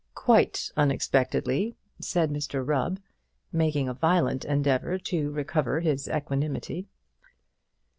"Quite unexpectedly," said Mr Rubb, making a violent endeavour to recover his equanimity.